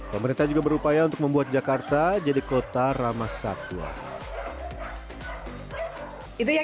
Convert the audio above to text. pemerintah juga berupaya untuk membuat jakarta jadi kota ramah satwa